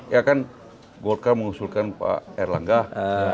ya kan golkar mengusulkan pak erlangga